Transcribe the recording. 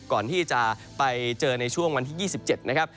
ก่อนที่จะไปเจอในช่วงวันที่๒๗นะครับ